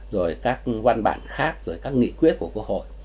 rồi các văn bản khác rồi các nghị quyết của quốc hội